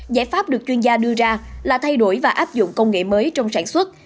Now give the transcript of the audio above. giải pháp được chuyên gia đưa ra là thay đổi và áp dụng công nghệ mới trong sản xuất